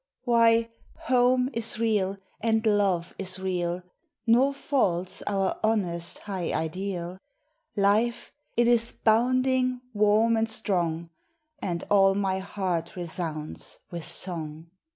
Why, home is real, and love is real ; Nor false our honest high ideal Life,— it is bounding, warm, and strong,— And all my heart resounds with snug.